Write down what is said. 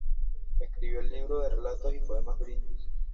Escribió el libro de relatos y poemas "Brindis".